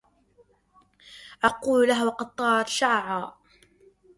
أقول لها وقد طارت شعاعا